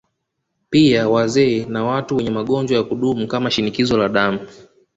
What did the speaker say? Pia wazee na watu wenye magonjwa ya kudumu kama Shinikizo la Damu